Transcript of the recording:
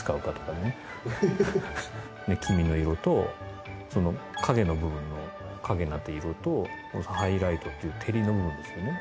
黄身の色と影の部分の影になった色とハイライトっていう照りの部分ですよね。